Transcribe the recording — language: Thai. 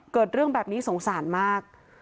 เกิดเรื่องแบบนี้สงสารมาก